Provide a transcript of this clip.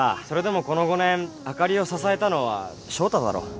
それでもこの５年あかりを支えたのは翔太だろ？